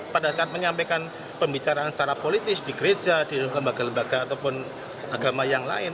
pada saat menyampaikan pembicaraan secara politis di gereja di lembaga lembaga ataupun agama yang lain